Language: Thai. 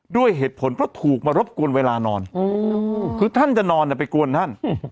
ด้วยเหตุผลเพราะถูกมารบกวนเวลานอนคือท่านจะนอนไปกวนท่าน